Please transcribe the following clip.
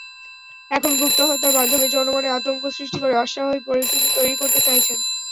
এখন গুপ্তহত্যার মাধ্যমে জনমনে আতঙ্ক সৃষ্টি করে অস্বাভাবিক পরিস্থিতি তৈরি করতে চাইছেন।